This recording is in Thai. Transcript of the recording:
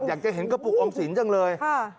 อยากจะเห็นกระปุกออมสินจังเลย